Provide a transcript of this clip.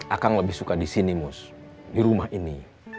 akang lebih suka di sini mus di rumah ini